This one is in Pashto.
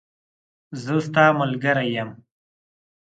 زه ستاملګری یم